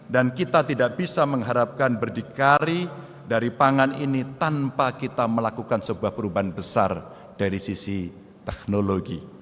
dan kita tidak bisa mengharapkan berdikari dari pangan ini tanpa kita melakukan sebuah perubahan besar dari sisi teknologi